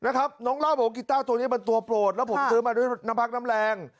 น้องเล่าบอกว่ากีต้าตัวนี้มันตัวโปรดแล้วผมซื้อมาด้วยน้ำพักน้ำแรง